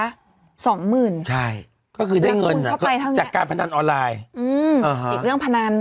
สองหมื่นใช่ก็คือได้เงินอ่ะจากการพนันออนไลน์อืมอีกเรื่องพนัน